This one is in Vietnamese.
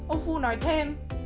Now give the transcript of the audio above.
ông phu nói thêm